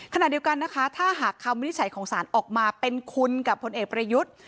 ขณะเดียวกันนะคะถ้าหากคำวินิจฉัยของศาลออกมาเป็นคุณกับพลเอกประยุทธ์